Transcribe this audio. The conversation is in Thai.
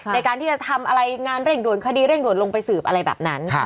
ในการที่จะทำอะไรงานเร่งด่วนคดีเร่งด่วนลงไปสืบอะไรแบบนั้น